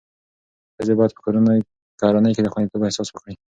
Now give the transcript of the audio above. ښځې باید په کورنۍ کې د خوندیتوب احساس وکړي.